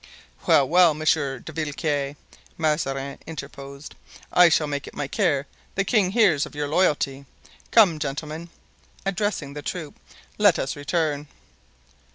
"Well, well, Monsieur de Villequier," Mazarin interposed, "I shall make it my care the king hears of your loyalty. Come, gentlemen," addressing the troop, "let us return."